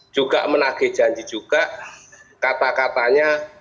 juga menagih janji juga kata katanya